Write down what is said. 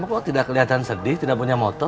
ceng kamu kok tidak kelihatan sedih tidak punya motor